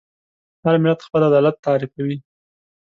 هر ملت خپل عدالت تعریفوي.